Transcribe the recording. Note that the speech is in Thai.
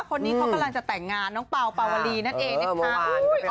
คนนี้เขากำลังจะแต่งงานน้องเปล่าปาวลีนั่นเองนะคะ